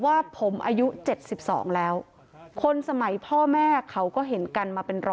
ว่าผมอายุ๗๒แล้วคนสมัยพ่อแม่เขาก็เห็นกันมาเป็น๑๐๐